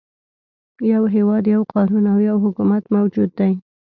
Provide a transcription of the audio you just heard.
يو هېواد، یو قانون او یو حکومت موجود دی.